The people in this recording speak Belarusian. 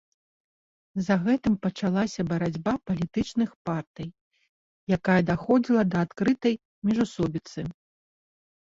За гэтым пачалася барацьба палітычных партый, якая даходзіла да адкрытай міжусобіцы.